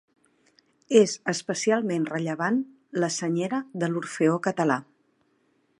És especialment rellevant la Senyera de l'Orfeó Català.